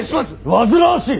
煩わしい！